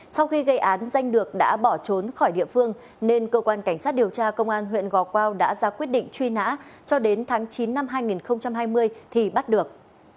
sau khi gây án danh được đã bỏ trốn khỏi địa phương nên cơ quan cảnh sát điều tra công an huyện gò quao đã ra quyết định truy nã cho đến tháng chín năm hai nghìn hai mươi thì bắt được